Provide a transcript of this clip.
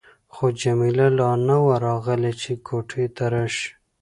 خو جميله لا نه وه راغلې چې کوټې ته راشي.